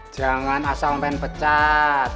jangan asal pengen pecat